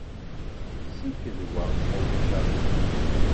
Ssiked wa, ma ulac aɣilif.